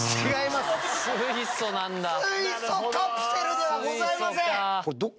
水素カプセルではございません。